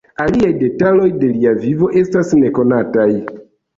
Aliaj detaloj de lia vivo estas nekonataj.